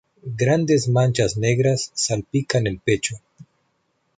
Grandes manchas negras salpican el pecho.